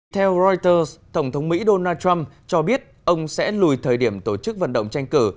theo reuters tổng thống mỹ donald trump cho biết ông sẽ lùi thời điểm tổ chức vận động tranh cử